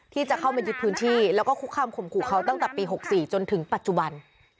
ที่จะเข้ามายึดพื้นที่แล้วก็คุกคำข่มขู่เขาตั้งแต่ปี๖๔จนถึงปัจจุบัน